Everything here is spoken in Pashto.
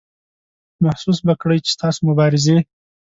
محسوس به کړئ چې ستاسو مبارزې.